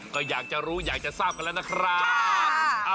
ก็อยากจะรู้อยากจะทราบกันแล้วนะครับ